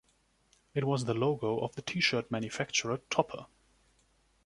It was the logo of the T-shirt manufacturer Topper.